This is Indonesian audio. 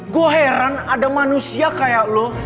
gue heran ada manusia kayak lo